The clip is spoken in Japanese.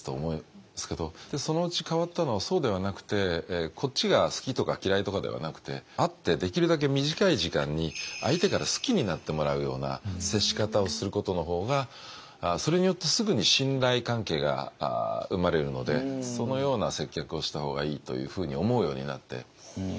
そのうち変わったのはそうではなくてこっちが好きとか嫌いとかではなくて会ってできるだけ短い時間に相手から好きになってもらうような接し方をすることの方がそれによってすぐに信頼関係が生まれるのでそのような接客をした方がいいというふうに思うようになって。